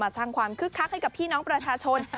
สร้างความคึกคักให้กับพี่น้องประชาชน